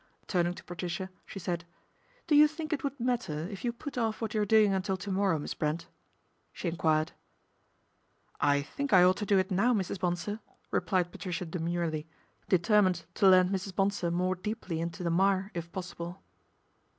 Turning to Patricia she said :" Do you think it would matter if you put off what you are doing until to morrow, Miss Brent ?" she enquired. " I think I ought to do it now, Mrs. Bonsor,"] replied Patricia demurely, determined to land Mrs. Bonsor more deeply into the mire if possible.